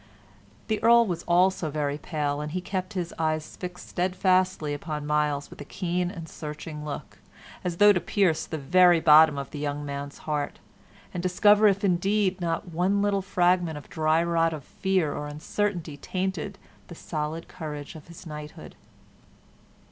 The Earl was also very pale, and he kept his eyes fixed steadfastly upon Myles with a keen and searching look, as though to pierce to the very bottom of the young man's heart, and discover if indeed not one little fragment of dryrot of fear or uncertainty tainted the solid courage of his knighthood.